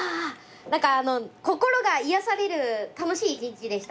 何かあの心が癒やされる楽しい一日でした。